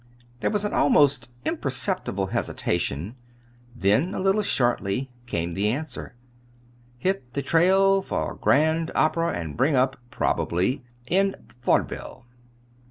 There was an almost imperceptible hesitation; then, a little shortly, came the answer: "Hit the trail for Grand Opera, and bring up, probably in vaudeville."